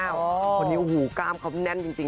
อันนี้หูกล้ามเขาแน่นจริง